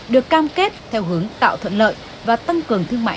được cam kết theo hướng tạo thuận lợi và tăng cường thương mại